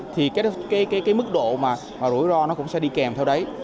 thì cái mức độ mà rủi ro nó cũng sẽ đi kèm theo đấy